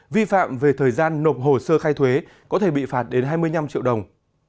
vi phạm về thời gian nộp hồ sơ khai thuế có thể bị phạt đến hai mươi năm triệu đồng